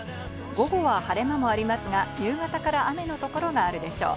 午後は晴れ間もありますが、夕方から雨のところがあるでしょう。